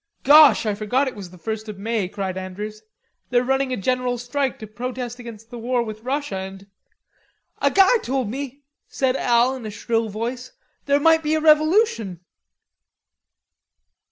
"Gosh, I forgot it was the first of May," cried Andrews. "They're running a general strike to protest against the war with Russia and...." "A guy told me," interrupted Al, in a shrill voice, "there might be a revolution."